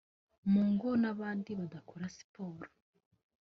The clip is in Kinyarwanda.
mu ngo n’ahandi badakora siporo